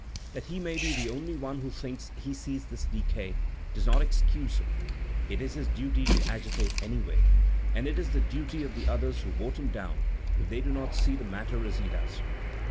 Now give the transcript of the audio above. That he may be the only one who thinks he sees this decay, does not excuse him; it is his duty to agi tate anyway, and it is the duty of the others to vote him down if they do not see the matter as he does."